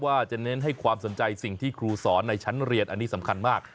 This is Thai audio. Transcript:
ว่าจะเน้นให้ความสนใจสิ่งที่ครูสอนในชั้นเรียนอันนี้สำคัญมาก